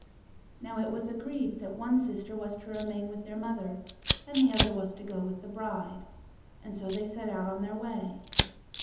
Now, it was agreed that one sister was to remain with their mother and the other was to go with the bride, and so they set out on their way.